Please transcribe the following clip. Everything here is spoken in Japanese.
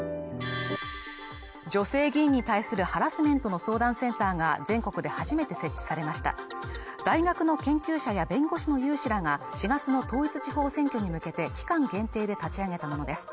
女性議員に対するハラスメントの相談センターが全国で初めて設置されました大学の研究者や弁護士の有志らが４月の統一地方選挙に向けて期間限定で立ち上げたものです